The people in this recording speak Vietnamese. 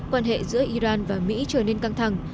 quan hệ giữa iran và mỹ trở nên căng thẳng